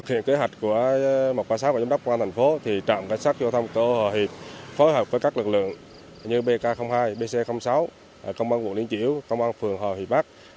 trạm cảnh sát giao thông cửa ô hòa hiệp phối hợp với các lực lượng như bk hai bc sáu công an quận liên chỉu công an phường hòa hiệp bắc